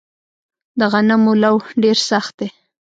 د غنمو لوو ډیر سخت دی